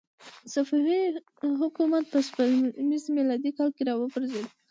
صفوي حکومت په سپوږمیز میلادي کال کې را وپرځېد.